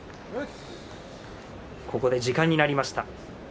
ここで時間になりました。